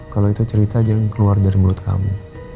kalau itu cerita aja yang keluar dari mulut kamu